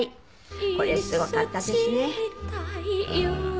これすごかったですね。